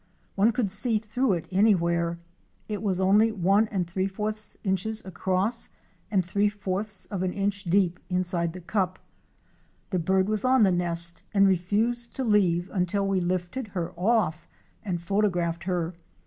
One could see through it any where, It was only 1} inches across and 2 of an inch deep inside the cup. The bird was on the nest and refused to leave until we lifted her .off and photographed her.